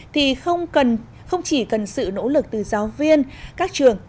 thì không chỉ cần sự nỗ lực từ giáo viên các trường